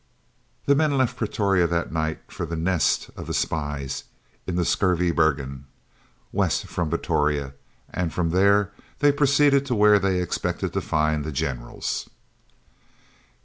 The men left Pretoria that night for the "nest" of the spies in the Skurvebergen, west from Pretoria, and from there they proceeded to where they expected to find the Generals.